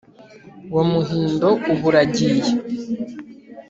wa Muhindo uba ura giye